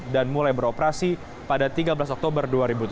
dan mulai beroperasi pada tiga belas oktober dua ribu tujuh belas